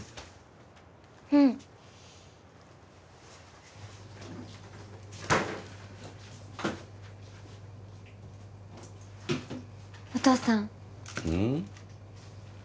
うんお父さんうん？